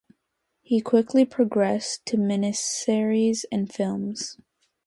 He quickly progressed to miniseries and films.